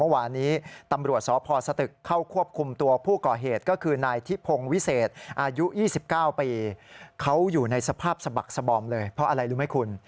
วิเศษอายุ๒๙ปีเขาอยู่ในสภาพสบักสบอมเลยเพราะอะไรรู้ไหมคุณ